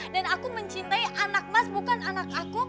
aku mencintai anak mas bukan anak aku